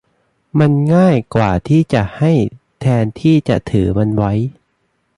มันง่ายกว่าที่จะให้แทนที่จะถือมันไว้